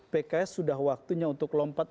pks sudah waktunya untuk lompat